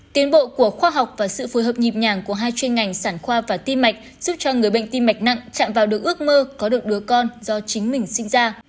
tiến bộ của khoa học và sự phù hợp nhịp nhàng của hai chuyên ngành sản khoa và tim mạch giúp cho người bệnh tim mạch nặng chạm vào được ước mơ có được đứa con do chính mình sinh ra